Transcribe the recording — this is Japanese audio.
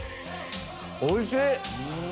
おいしい！